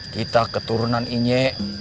kita keturunan ini